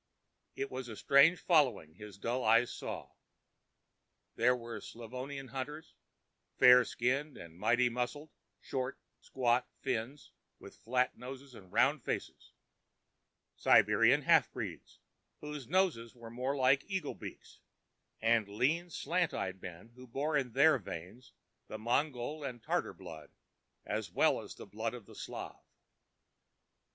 It was a strange following his dull eyes saw. There were Slavonian hunters, fair skinned and mighty muscled; short, squat Finns, with flat noses and round faces; Siberian half breeds, whose noses were more like eagle beaks; and lean, slant eyed men, who bore in their veins the Mongol and Tartar blood as well as the blood of the Slav.